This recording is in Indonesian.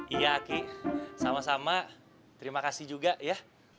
iya aki sama sama terima kasih juga ya